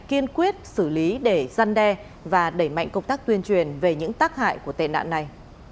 kiên quyết xử lý để gian đe và đẩy mạnh công tác tuyên truyền về những tác hại của tệ nạn này